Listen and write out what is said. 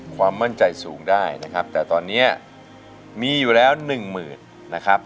ความมั่นใจสูงได้นะครับแต่ตอนนี้มีอยู่แล้วหนึ่งหมื่นนะครับ